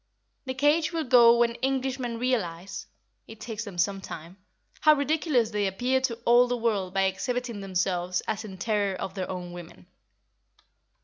The cage will go when Englishmen realise (it takes them some time) how ridiculous they appear to all the world by exhibiting themselves as in terror of their own women.